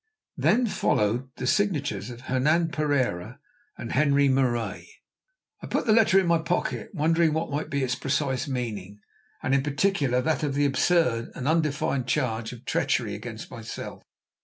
Then followed the signatures of Hernan Pereira and Henri Marais. I put the letter in my pocket, wondering what might be its precise meaning, and in particular that of the absurd and undefined charge of treachery against myself.